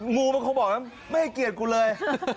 งูมันคงบอกไม่เกลียดกูเลย